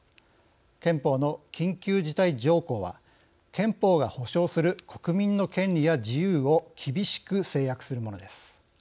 憲法の「緊急事態条項」は憲法が保障する国民の権利や自由を厳しく制約するものです。